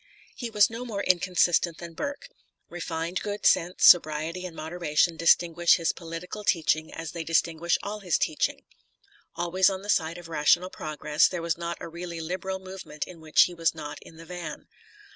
t He was no more inconsistent than Burke. Refined good sense, sobriety and moderation distinguish his political teaching as they distin guish all his teaching. Always on the side of rational progress, there was not a really liberal movement in which he was not in the van.